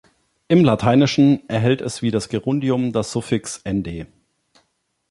Im Lateinischen erhält es wie das Gerundium das Suffix "-nd".